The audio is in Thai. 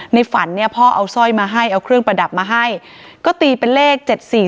ในฝันเนี่ยพ่อเอาสร้อยมาให้เอาเครื่องประดับมาให้ก็ตีเป็นเลข๗๔